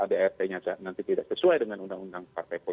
dart nya nanti tidak sesuai dengan undang undang